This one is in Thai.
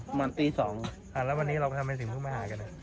ประมาณตีสองอ่ะแล้ววันนี้เราทำเป็นสิ่งที่มาหากันอ่ะ